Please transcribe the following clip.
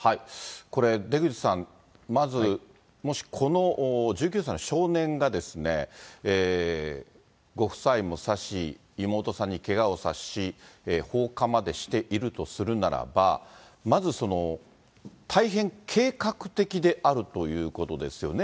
これ、出口さん、まずもしこの１９歳の少年がですね、ご夫妻も刺し、妹さんにけがをさせ、放火までしているとするならば、まずその大変計画的であるということですよね。